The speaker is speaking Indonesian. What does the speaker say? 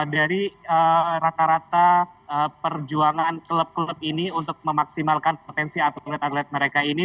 dari rata rata perjuangan klub klub ini untuk memaksimalkan potensi atlet atlet mereka ini